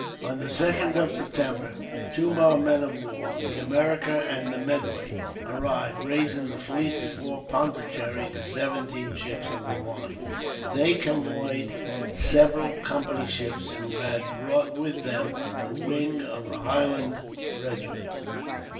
On the 2nd of September two more men of war, the America and Medway, arrived, raising the fleet before Pondicherry to seventeen ships of the line. They convoyed several Company's ships, who had brought with them the wing of a Highland regiment.